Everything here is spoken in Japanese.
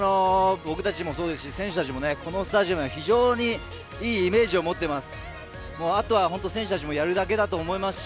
僕たちもそうですし、選手たちもこのスタジアム非常にいいイメージを持っています。